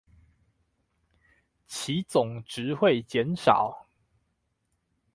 其總值會減少